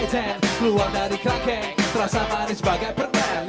keluar dari kerangkeng terasa manis bagai permen